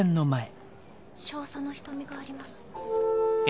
少佐の瞳があります。